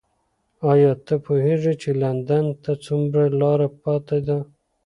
ایا ته پوهېږې چې لندن ته څومره لاره پاتې ده؟